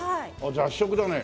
雑食だね。